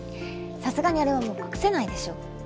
さすがにあれはもう隠せないでしょ。